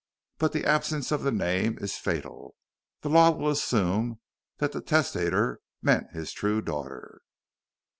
But the absence of the name is fatal. The law will assume that the testator meant his true daughter."